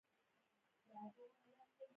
مادر تریسیا وایي قضاوت مینه له منځه وړي.